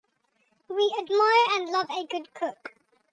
We admire and love a good cook.